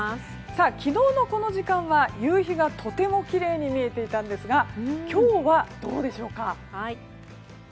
昨日のこの時間は夕日がとてもきれいに見えていたんですが今日はどうでしょうか。